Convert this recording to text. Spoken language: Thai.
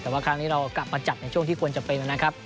แต่ว่าครั้งนี้เรากลับมาจัดในช่วงที่ควรจะเป็นนะครับ